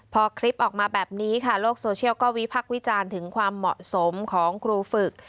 พอคลิปออกมาแบบนี้ค่ะโลกโซเชียลก็วิพักษ์วิจารณ์ถึงความเหมาะสมของครูฝึก